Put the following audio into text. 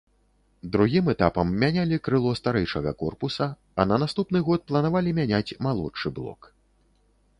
Другім этапам мянялі крыло старэйшага корпуса, а на наступны год планавалі мяняць малодшы блок.